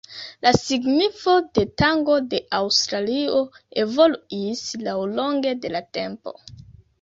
La signifo de Tago de Aŭstralio evoluis laŭlonge de la tempo.